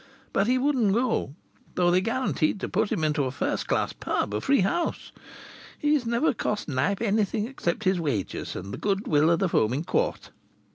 But he wouldn't go, though they guaranteed to put him into a first class pub a free house. He's never cost Knype anything except his wages and the goodwill of the Foaming Quart."